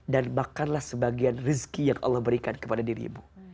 dan makanlah sebagian rizkih yang allah berikan kepadamu